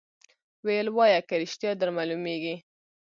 ویل وایه که ریشتیا در معلومیږي